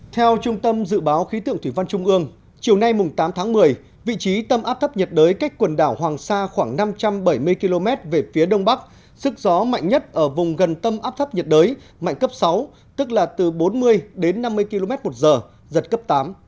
theo trung tâm dự báo khí tượng thủy văn trung ương chiều nay tám tháng một mươi vị trí tâm áp thấp nhiệt đới cách quần đảo hoàng sa khoảng năm trăm bảy mươi km về phía đông bắc sức gió mạnh nhất ở vùng gần tâm áp thấp nhiệt đới mạnh cấp sáu tức là từ bốn mươi đến năm mươi km một giờ giật cấp tám